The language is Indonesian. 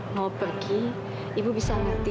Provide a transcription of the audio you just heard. mau pergi ibu bisa latih